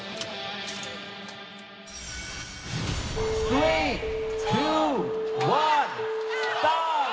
３・２・１スタート！